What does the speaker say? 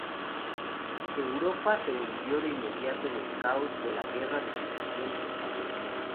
Europa se hundió de inmediato en el caos de la Guerra de Sucesión Española.